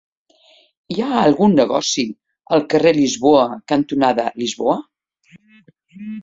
Hi ha algun negoci al carrer Lisboa cantonada Lisboa?